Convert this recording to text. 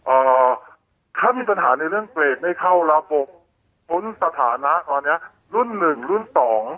เอ่อถ้ามีปัญหาในเรื่องเกรดไม่เข้าระบบพ้นสถานะตอนเนี้ยรุ่นหนึ่งรุ่นสอง